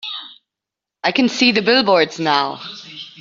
I can see the billboards now.